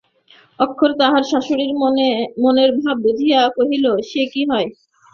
অক্ষয় তাঁহার শাশুড়ির মনের ভাব বুঝিয়া কহিলেন, সে কি হয়?